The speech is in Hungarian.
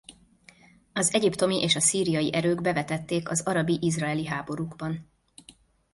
Az egyiptomi és a szíriai erők bevetették az arabi–izraeli háborúkban.